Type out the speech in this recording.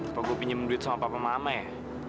apa gue pinjem duit sama papa mama ya